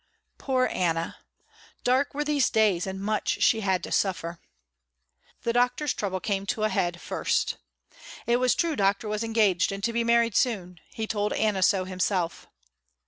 Poor Anna. Dark were these days and much she had to suffer. The Doctor's trouble came to a head the first. It was true Doctor was engaged and to be married soon. He told Anna so himself.